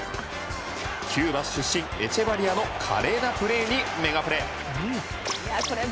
キューバ出身エチェバリアの華麗なプレーにメガプレ。